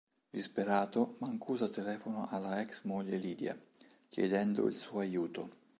Disperato, Mancuso telefona alla ex moglie Lidia, chiedendo il suo aiuto.